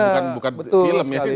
ya betul sekali